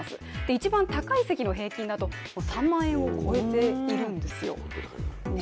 一番高い席の平均だと３万円を超えているんですよ。